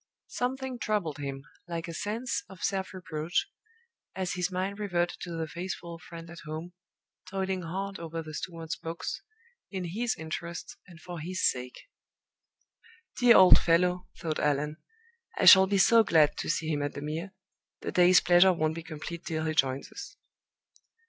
Something troubled him, like a sense of self reproach, as his mind reverted to the faithful friend at home, toiling hard over the steward's books, in his interests and for his sake. "Dear old fellow," thought Allan, "I shall be so glad to see him at the Mere; the day's pleasure won't be complete till he joins us!"